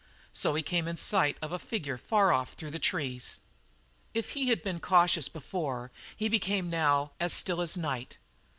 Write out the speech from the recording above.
So he came in sight of a figure far off through the trees. If he had been cautious before, he became now as still as night.